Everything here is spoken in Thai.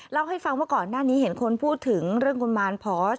เล่าให้ฟังว่าก่อนหน้านี้เห็นคนพูดถึงเรื่องคุณมารพอส